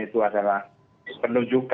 itu adalah penunjuknya untuk mereka